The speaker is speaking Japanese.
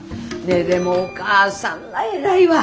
ねえでもお母さんは偉いわ。